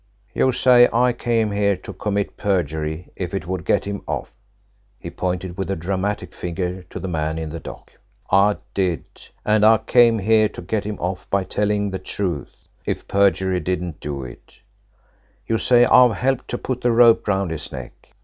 "You say I came here to commit perjury if it would get him off." He pointed with a dramatic finger to the man in the dock. "I did. And I came here to get him off by telling the truth if perjury didn't do it. You say I've helped to put the rope round his neck.